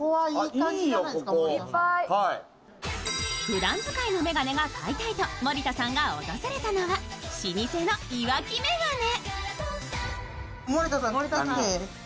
ふだん使いの眼鏡が買いたいと森田さんが訪れたのは老舗のイワキメガネ。